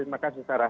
terima kasih sarah